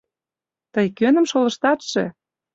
Тый кӧным шолыштатше?